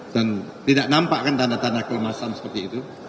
dan tidak nampak kan tanda tanda kelemasan seperti itu